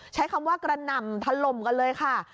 ใช้คำว่ากระหน่ำถล่มกันเลยค่ะ